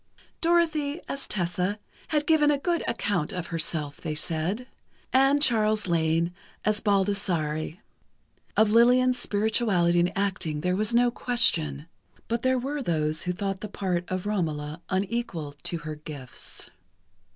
Dorothy, as Tessa, had given a good account of herself, they said, and Charles Lane, as Baldassare. Of Lillian's spirituality and acting there was no question, but there were those who thought the part of Romola unequal to her gifts.